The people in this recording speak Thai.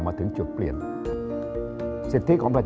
การเลือกตัว